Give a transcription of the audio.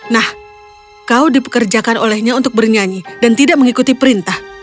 nah kau dipekerjakan olehnya untuk bernyanyi dan tidak mengikuti perintah